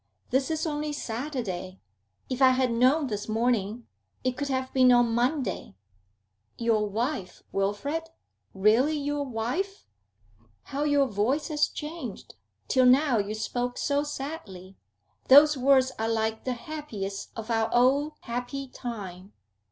This is only Saturday. If I had known this morning, it could have been on Monday.' 'Your wife, Wilfrid? Really your wife?' 'How your voice has changed! Till now you spoke so sadly. Those words are like the happiest of our old happy time.